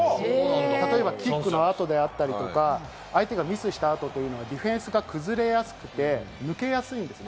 例えばキックの後であったりとか、相手がミスした後というのは、ディフェンスが崩れやすくて、抜けやすいんです。